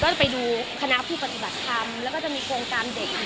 ก็จะไปดูคณะภูพธิบัตรทำแล้วก็จะมีโครงการเด็กอีก